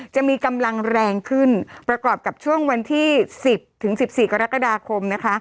จะมีกำลังแรงขึ้นประกอบกับช่วงวันที่๑๐ถึง๑๔กรกฎาคมนะคะ